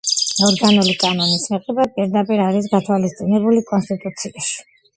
ორგანული კანონის მიღება პირდაპირ არის გათვალისწინებული კონსტიტუციაში.